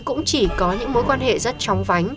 cũng chỉ có những mối quan hệ rất chóng vánh